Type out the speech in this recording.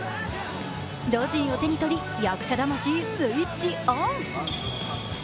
ロジンを手にとり役者魂スイッチオン。